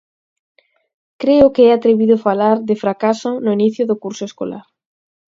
Creo que é atrevido falar de fracaso no inicio do curso escolar.